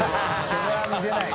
ここは見せない。